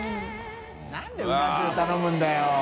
燭うな重頼むんだよ。